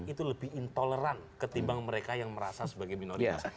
itu lebih intoleran ketimbang mereka yang merasa sebagai minoritas